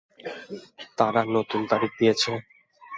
তারা নতুন তারিখ দিয়েছে?